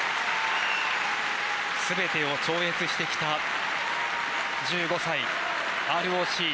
すべてを超越してきた１５歳。